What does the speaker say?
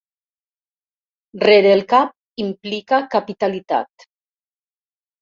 Rere el cap implica capitalitat.